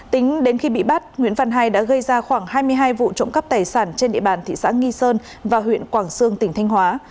tính đến khi bị bắt nguyễn văn hai đã gây ra khoảng hai mươi hai vụ trộm cắp tài sản trên địa bàn thị xã nghi sơn và huyện quảng sương tỉnh thanh hóa